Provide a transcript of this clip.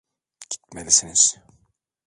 Gitmelisiniz.